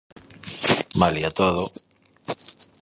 Malia todo...